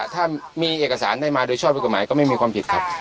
ถ้ามีเอกสารได้มาโดยชอบเป็นกฎหมายก็ไม่มีความผิดครับ